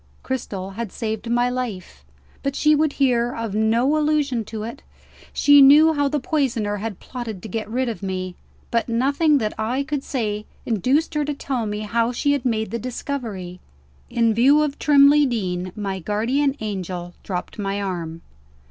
Cristel had saved my life but she would hear of no allusion to it. She knew how the poisoner had plotted to get rid of me but nothing that I could say induced her to tell me how she had made the discovery. In view of Trimley Deen, my guardian angel dropped my arm.